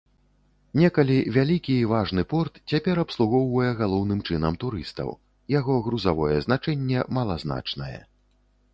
Некалі вялікі і важны порт цяпер абслугоўвае галоўным чынам турыстаў, яго грузавое значэнне малазначнае.